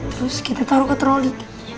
terus kita taruh ke troli